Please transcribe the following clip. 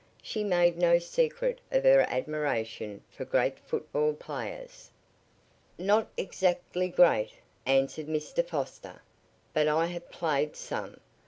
She made no secret of her admiration for "great football players." "Not exactly great," answered Mr. Foster, "but I have played some.